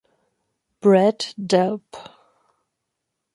Brad Delp.